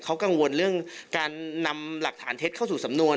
เขากังวลเรื่องการนำหลักฐานเท็จเข้าสู่สำนวน